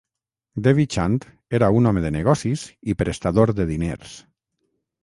Devi Chand era un home de negocis i prestador de diners.